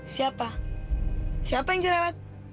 siapa siapa yang cerewet